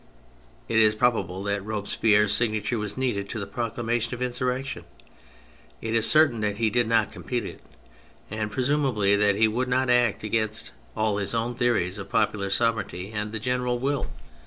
It is probable that Robespierre's signature was needed to the proclamation of insurrection : it is certain that he did not complete it, and presumable that he would not act against all his own theories of popular sovereignty and the general will.